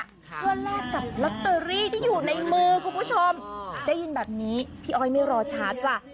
เพื่อแลกกับลอตเตอรี่ที่อยู่ในมือคุณผู้ชมได้ยินแบบนี้พี่อ้อยไม่รอช้าจ้ะ